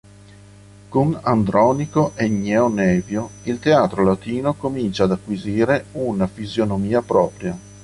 Con Andronico e Gneo Nevio, il teatro latino comincia ad acquisire una fisionomia propria.